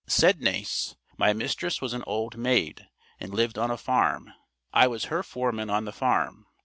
Said Nace: "My mistress was an old maid, and lived on a farm. I was her foreman on the farm.